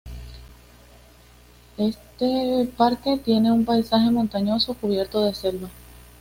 Este parque tiene un paisaje montañoso cubierto de selva.